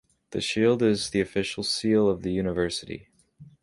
The Shield is the official seal of the university.